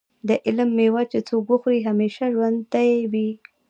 د علم مېوه چې څوک وخوري همیشه ژوندی وي.